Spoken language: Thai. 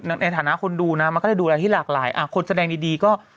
ในฐานะคนดูนะมันก็จะดูอะไรที่หลากหลายอ่ะคนแสดงดีดีก็